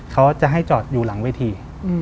เขาจะให้จอดอยู่หลังเวที